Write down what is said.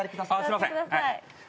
すいませんはい。